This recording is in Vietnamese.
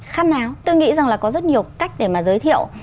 khăn áo tôi nghĩ rằng là có rất nhiều cách để mà giới thiệu